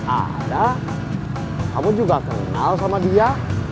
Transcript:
ada kamu juga kenal sama dia